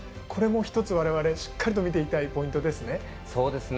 これも１つ、我々しっかりと見ていきたいポイントですね。